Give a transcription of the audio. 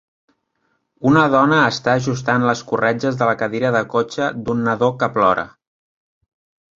Una dona està ajustant les corretges de la cadira de cotxe d'un nadó que plora.